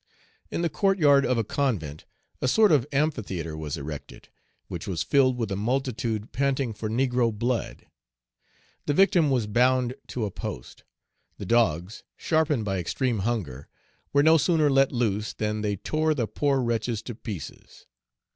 In the court yard of a convent a sort of amphitheatre was erected, which was filled with a multitude panting for negro blood. The victim was bound to a post. The dogs, sharpened by extreme hunger, were no sooner let loose than they tore the poor wretch to pieces.